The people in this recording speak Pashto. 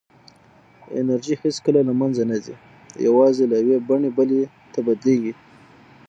انرژي هېڅکله له منځه نه ځي، یوازې له یوې بڼې بلې ته بدلېږي.